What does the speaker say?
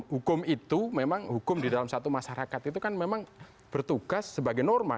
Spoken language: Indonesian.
hukum itu memang hukum di dalam satu masyarakat itu kan memang bertugas sebagai norma